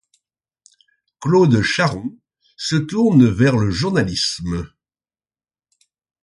Claude Charron se tourne vers le journalisme.